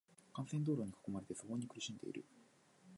幹線道路に囲まれていて、騒音に苦しんでいる。